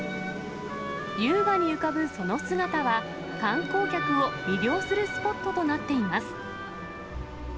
優雅に浮かぶその姿は、観光客を魅了するスポットとなっています。